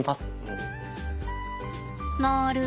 なる。